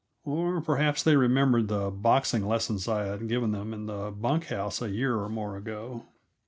Or, perhaps, they remembered the boxing lessons I had given them in the bunk house a year or more ago.